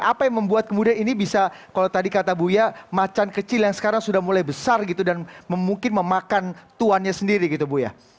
apa yang membuat kemudian ini bisa kalau tadi kata buya macan kecil yang sekarang sudah mulai besar gitu dan mungkin memakan tuannya sendiri gitu buya